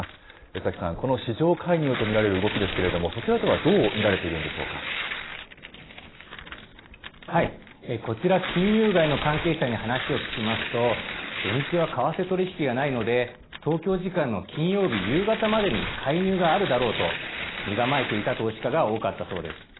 江崎さん、この市場介入と見られる動きですけれども、そちらではこちら、金融街の関係者に話を聞きますと、土日は為替取り引きがないので、東京時間の金曜日夕方までに介入があるだろうと身構えていた投資家が多かったそうです。